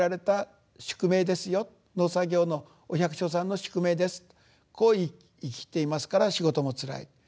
農作業のお百姓さんの宿命ですとこう言い切っていますから仕事もつらい。